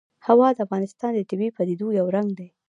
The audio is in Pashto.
هوا د افغانستان د طبیعي پدیدو یو رنګ دی.